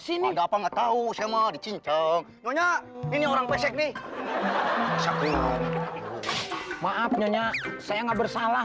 ikut iya ada apa sih nggak tahu sama dicincang ini orang pesek nih maafnya saya nggak bersalah